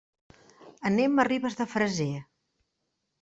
Anem a Ribes de Freser.